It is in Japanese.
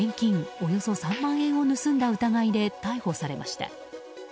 およそ３万円を盗んだ疑いで逮捕されました。